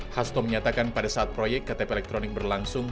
hasto menyatakan pada saat proyek ktp elektronik berlangsung